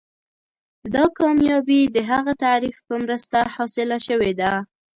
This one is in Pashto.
دا کامیابي د هغه تعریف په مرسته حاصله شوې ده.